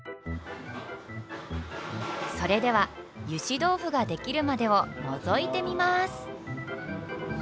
それではゆし豆腐が出来るまでをのぞいてみます。